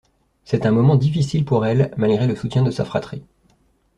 C'est un moment difficile pour elle, malgré le soutien de sa fratrie.